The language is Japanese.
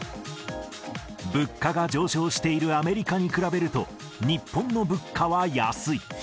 物価が上昇しているアメリカに比べると、日本の物価は安い。